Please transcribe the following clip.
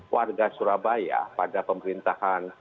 warga surabaya pada pemerintahan